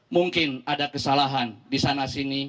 mungkin ada kesalahan di sana sini